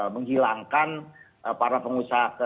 menghilangkan para pengusaha